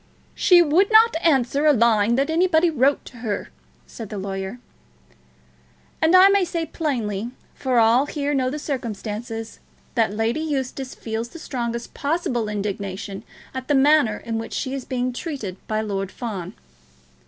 "She would not answer a line that anybody wrote to her," said the lawyer. "And I may say plainly, for all here know the circumstances, that Lady Eustace feels the strongest possible indignation at the manner in which she is being treated by Lord Fawn."